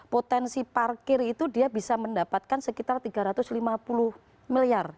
potensi parkir itu dia bisa mendapatkan sekitar tiga ratus lima puluh miliar